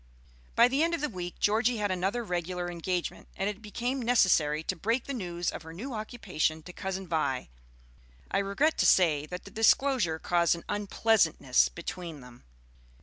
By the end of the week Georgie had another regular engagement, and it became necessary to break the news of her new occupation to Cousin Vi. I regret to say that the disclosure caused an "unpleasantness," between them.